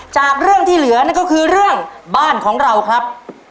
จากเรื่องที่เหลือนั่นก็คือเรื่องบ้านของเราครับ